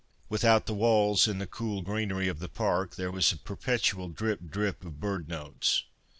Without the walls, in the cool greenery of the park, there was a perpetual drip drip of bird notes.